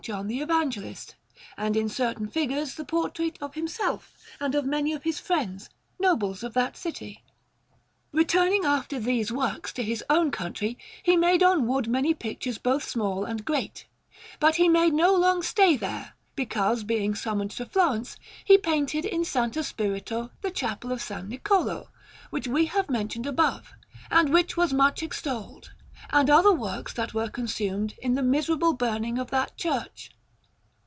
John the Evangelist, and in certain figures the portrait of himself and of many of his friends, nobles of that city. [Illustration: BARNA: THE AGONY IN THE GARDEN (San Gimignano. Fresco)] Returning after these works to his own country, he made on wood many pictures both small and great; but he made no long stay there, because, being summoned to Florence, he painted in S. Spirito the Chapel of S. Niccolò, which we have mentioned above, and which was much extolled, and other works that were consumed in the miserable burning of that church.